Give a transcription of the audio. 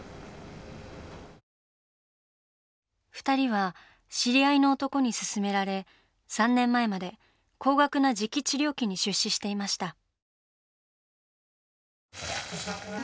２人は知り合いの男に勧められ３年前まで高額な磁気治療器に出資していました。